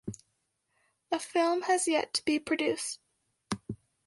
A film has yet to be produced.